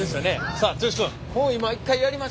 さあ剛君。